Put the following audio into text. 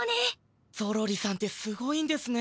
ゾロリさんってすごいんですね。